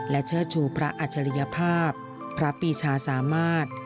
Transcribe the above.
และเชื่อชูพระอัชริยภาพพระปีชาสามาส